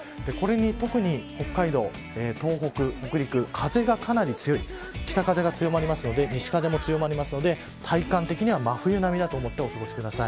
特に北海道、東北、北陸風がかなり強い、北風が強まる、西風も強まるので体感的には真冬並みだと思ってお過ごしください。